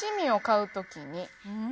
うん？